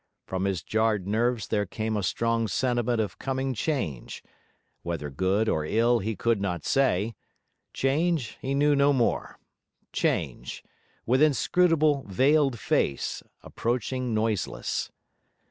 From his jarred nerves there came a strong sentiment of coming change; whether good or ill he could not say: change, he knew no more change, with inscrutable veiled face, approaching noiseless.